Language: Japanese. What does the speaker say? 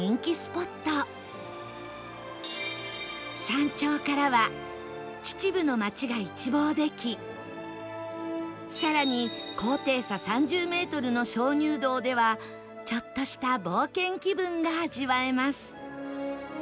山頂からは秩父の街が一望でき更に高低差３０メートルの鍾乳洞ではちょっとした冒険気分が味わえます